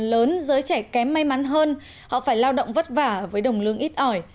lớn giới trẻ kém may mắn hơn họ phải lao động vất vả với đồng lương ít ỏi